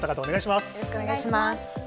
よろしくお願いします。